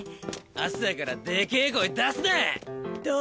朝からでけ声出すなぁ！